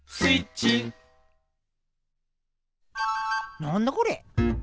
なんだこれ？